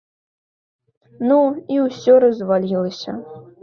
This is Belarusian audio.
Ну і ўсё развалілася.